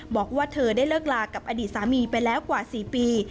บอกว่าเธอได้เลิกลากับอดีตสามีไปแล้วกว่า๔ปี